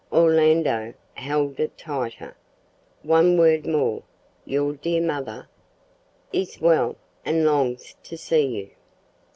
(Orlando held it tighter.) "One word more. Your dear mother?" "Is well and longs to see you."